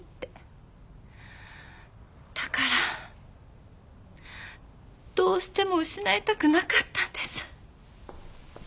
だからどうしても失いたくなかったんです。